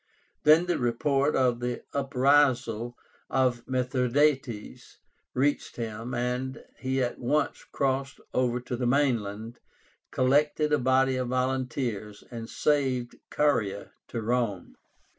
Then the report of the uprisal of Mithradátes reached him, and he at once crossed over to the mainland, collected a body of volunteers, and saved Caria to Rome.